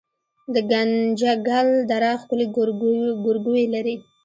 ګنجګل دره ښکلې ګورګوي لري